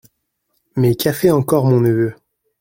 Mais qu’a fait encore mon neveu ?